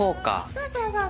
そうそうそうそう。